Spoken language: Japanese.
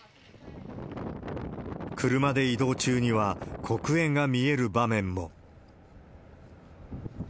車で移動中には、黒煙が見える場面も。